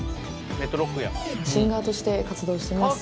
シンガーとして活動してます。